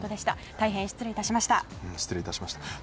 大変失礼致しました。